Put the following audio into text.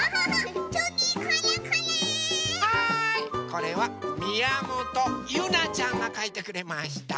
これはみやもとゆなちゃんがかいてくれました。